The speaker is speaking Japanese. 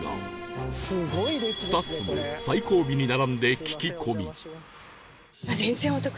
スタッフも最後尾に並んで聞き込み